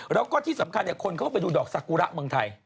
แล้วก็ที่สำคัญคนเขาก็ไปดูดอกสากุระเมืองไทย